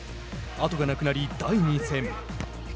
後がなくなり第２戦。